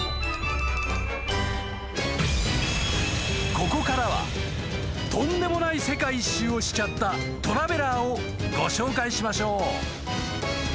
［ここからはとんでもない世界一周をしちゃったトラベラーをご紹介しましょう］